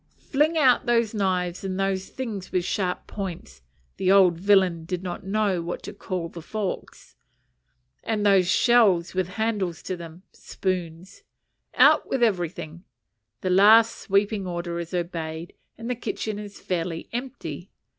"Fling out those knives, and those things with sharp points" (the old villain did not know what to call the forks!) "and those shells with handles to them" (spoons!) "out with everything." The last sweeping order is obeyed, and the kitchen is fairly empty.